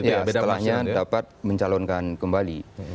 ya setelahnya dapat mencalonkan kembali